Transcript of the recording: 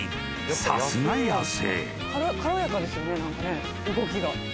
さすが野生］